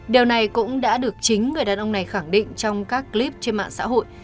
điều này cũng đã được chính người đàn ông này khẳng định trong các clip trên mạng xã hội